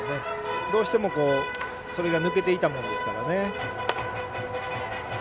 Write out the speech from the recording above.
どうしてもそれが抜けていたものですから。